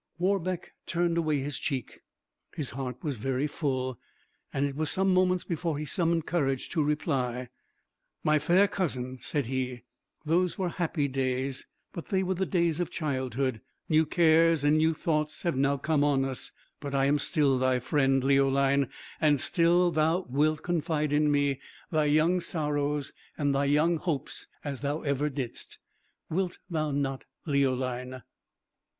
Warbeck turned away his cheek; his heart was very full, and it was some moments before he summoned courage to reply. "My fair cousin," said he, "those were happy days; but they were the days of childhood. New cares and new thoughts have now come on us. But I am still thy friend, Leoline, and still thou wilt confide in me thy young sorrows and thy young hopes as thou ever didst. Wilt thou not, Leoline?"